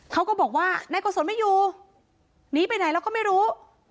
เขาก็บอกว่านายโกศลไม่อยู่หนีไปไหนแล้วก็ไม่รู้